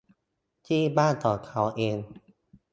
ที่บ้านของเขาเอง